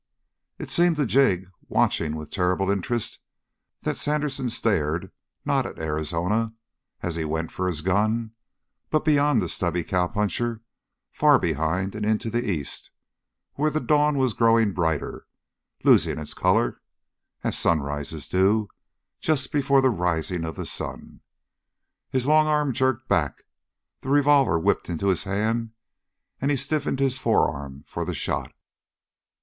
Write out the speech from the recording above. It seemed to Jig, watching with terrible interest, that Sandersen stared not at Arizona, as he went for his gun, but beyond the stubby cowpuncher far behind and into the east, where the dawn was growing brighter, losing its color, as sunrises do, just before the rising of the sun. His long arm jerked back, the revolver whipped into his hand, and he stiffened his forearm for the shot.